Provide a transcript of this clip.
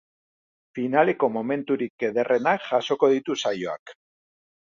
Finaleko momenturik ederrenak jasoko ditu saioak.